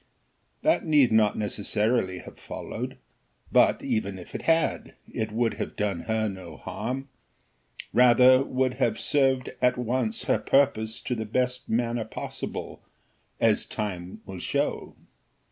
That need not necessarily have followed, but, even if it had, it would have done her no harm, rather would have served at once her purpose in the best manner possible, as time will show.